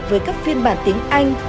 với các phiên bản tiếng anh